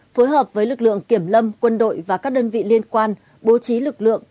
phối hợp với lực lượng kiểm lâm quân đội và các đơn vị liên quan bố trí lực lượng